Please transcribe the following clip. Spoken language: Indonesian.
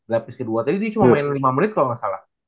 lebih ke dua tadi dia cuma main lima menit kalau gak salah